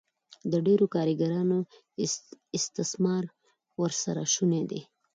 د ډېرو کارګرانو استثمار ورسره شونی دی